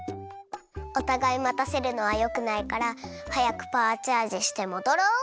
おたがいまたせるのはよくないからはやくパワーチャージしてもどろう！